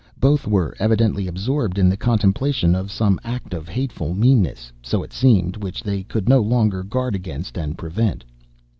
Both were evidently absorbed in the contemplation of some act of hateful meanness, so it seemed, which they could no longer guard against and prevent.